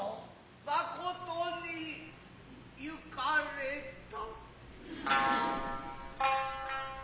誠に行かれた。